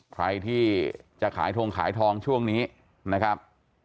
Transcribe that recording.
ใครที่จะขายทงขายทองช่วงนี้นะครับ